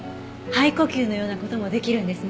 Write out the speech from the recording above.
肺呼吸のような事もできるんですね。